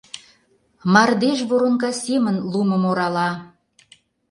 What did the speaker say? Мардеж воронка семын лумым орала.